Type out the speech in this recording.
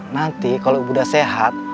nanti kalau ibu udah sehat